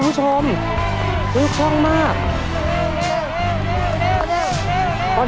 เร็วเร็วเร็ว